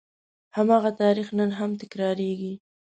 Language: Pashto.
هماغه تاریخ نن هم تکرارېږي.